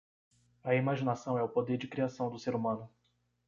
A imaginação é o poder de criação do ser humano